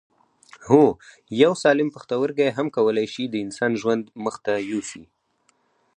هو یو سالم پښتورګی هم کولای شي د انسان ژوند مخ ته یوسي